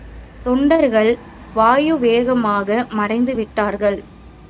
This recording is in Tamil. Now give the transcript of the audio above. தொண்டர்கள் வாயுவேகமாக மறைந்து விட்டார்கள்.